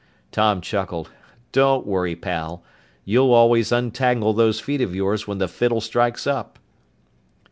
Tom chuckled. "Don't worry, pal. You always untangle those feet of yours when the fiddle strikes up!"